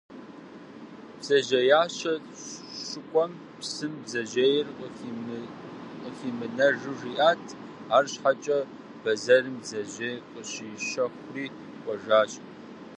Бдзэжьеящэ щыкӏуэм, псым бдзэжьей къыхимынэну жиӏат, арщхьэкӏэ бэзэрым бдзэжьей къыщищэхури кӏуэжащ.